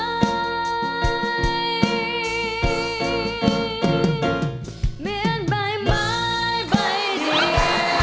เหมือนใบไม้ใบเดียว